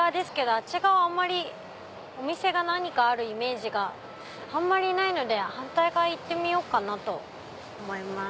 あっち側お店が何かあるイメージがあんまりないので反対側行ってみようと思います。